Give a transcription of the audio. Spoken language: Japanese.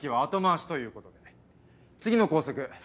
次の校則。